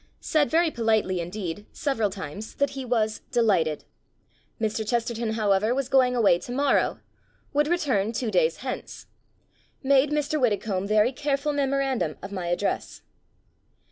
Said very politely indeed, sev eral times, that he was "delighted". Mr. Chesterton, however, was going away tomorrow. Would return two days hence. Made, Mr. Widdecombe, very careful memorandum of my ad dress.